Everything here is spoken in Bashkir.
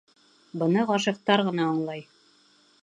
Быны ғашиҡтар ғына аңлай!